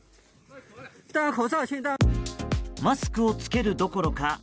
マスクを着けるどころか